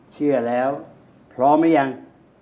เชื่อแล้วพร้อมหรือยัง